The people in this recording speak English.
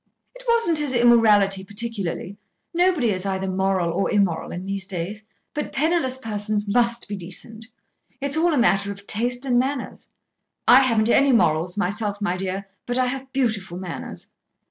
It wasn't his immorality particularly. Nobody is either moral or immoral in these days, but penniless persons must be decent. It's all a matter of taste and manners. I haven't any morals myself, my dear, but I have beautiful manners.